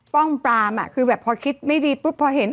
ป้องปรามอ่ะคือแบบพอคิดไม่ดีปุ๊บพอเห็น